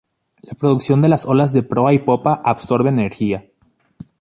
La producción de las olas de proa y popa absorbe energía.